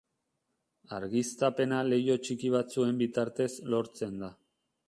Argiztapena leiho txiki batzuen bitartez lortzen da.